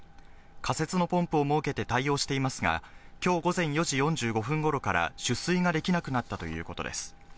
仮設のポンプを設けて対応していますが、きょう午前４時４５分ごろから、取水ができなくなったということです。